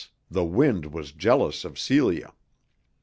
The wind was jealous of Celia.